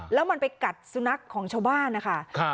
เรามันไปกัดสุนัขของช่วงชาวบ้านอ่ะค่ะครับ